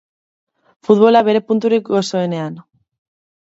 Futbola bere punturik gozoenean.